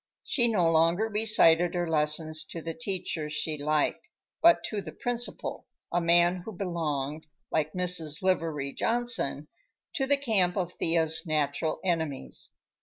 She no longer recited her lessons to the teacher she liked, but to the Principal, a man who belonged, like Mrs. Livery Johnson, to the camp of Thea's natural enemies.